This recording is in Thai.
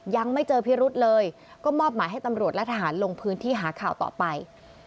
ยังไม่เจอพิรุษเลยก็มอบหมายให้ตำรวจและทหารลงพื้นที่หาข่าวต่อไป